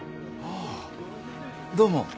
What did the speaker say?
ああどうも